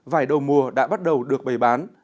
vải đầu mùa đã bắt đầu được bày bán